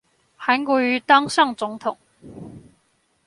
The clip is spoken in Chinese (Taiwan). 韓國瑜當上總統